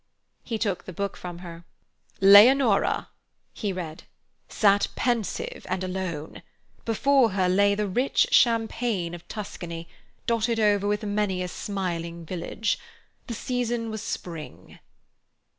He took the book from her. "'Leonora,'" he read, "'sat pensive and alone. Before her lay the rich champaign of Tuscany, dotted over with many a smiling village. The season was spring.